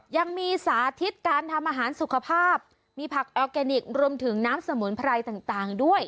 ยังมีสาธิตการทำอาหารสุขภาพมีผักออร์แกนิครวมถึงน้ำสมุนไพรต่างด้วย